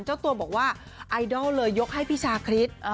เจ้าตัวบอกว่าไอดอลเลยยกให้พี่ชาคริส